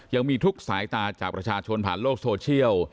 ยังมีทุกสายตาจากประชาชนผ่านโลกโซเชียล